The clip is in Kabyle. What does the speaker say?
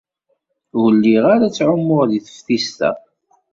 Ur lliɣ ara ttɛumuɣ deg teftist-a.